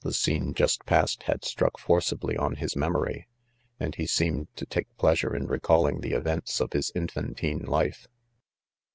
The scene just; passed, had struck forcibly on his : memory, and he seemed td ; take pleasure 'in Tecallmg the ■ everitW of his infantine life.